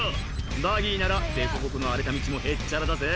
バギーならデコボコの荒れた道もへっちゃらだぜ」